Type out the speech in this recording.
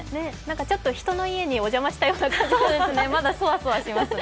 ちょっと人の家にお邪魔したような感じがしますね。